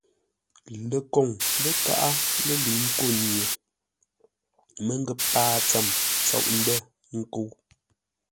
Lekoŋ ləkaʼá lə́ lə̌i ńkó nye məngə̂p paa tsəm tsôʼ ndə̂ nkə́u.